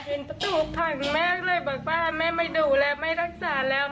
ประตูพังแม่ก็เลยบอกว่าแม่ไม่ดูแล้วไม่รักษาแล้ว